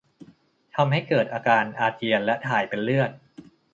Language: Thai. ทำให้เกิดอาการอาเจียนและถ่ายเป็นเลือด